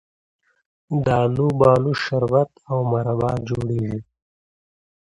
د الوبالو شربت او مربا جوړیږي.